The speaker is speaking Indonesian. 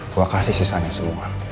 gue kasih sisanya semua